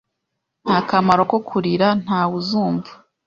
Nta kamaro ko kurira. Ntawe uzumva.